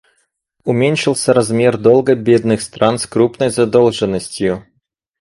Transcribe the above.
Уменьшился размер долга бедных стран с крупной задолженностью.